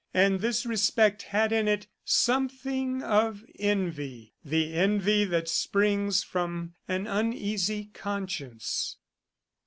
And this respect had in it something of envy, the envy that springs from an uneasy conscience.